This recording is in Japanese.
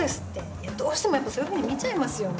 いやどうしてもやっぱそういうふうに見ちゃいますよね。